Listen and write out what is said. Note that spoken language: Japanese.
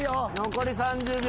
残り３０秒。